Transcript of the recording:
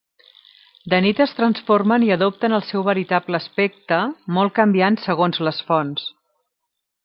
De nit es transformen i adopten el seu veritable aspecte, molt canviant segons les fonts.